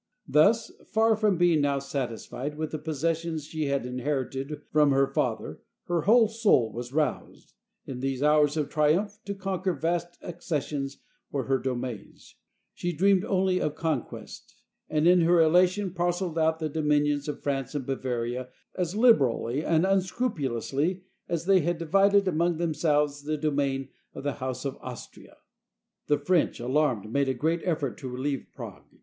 Thus, far from being now satisfied with the possessions she had inherited from her father, her whole soul was roused, in these hours of triumph, to conquer vast ac cessions for her domains. She dreamed only of con quest, and in her elation parceled out the dominions of 328 THE COMMAND OF MARIA THERESA France and Bavaria as liberally and as unscrupulously as they had divided among themselves the domain of the House of Austria. The French, alarmed, made a great effort to relieve Prague.